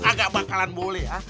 gua kagak bakalan boleh ha